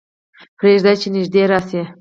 پرېږده چې نږدې راشي.